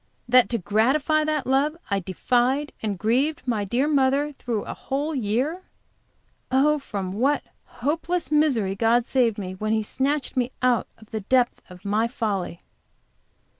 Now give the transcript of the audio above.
That to gratify that love I defied and grieved my dear mother through a whole year! Oh, from what hopeless misery God saved me, when He snatched me out of the depth of my folly!